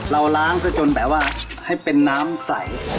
ล้างซะจนแบบว่าให้เป็นน้ำใส